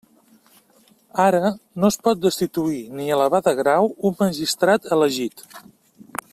Ara, no es pot destituir ni elevar de grau un magistrat elegit.